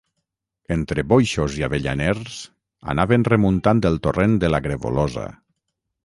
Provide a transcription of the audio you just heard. Entre boixos i avellaners, anaven remuntant el torrent de la Grevolosa.